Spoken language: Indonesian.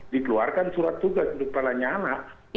dikeluarkan surat tugas untuk pak lanya lah